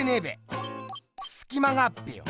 すき間があっぺよ！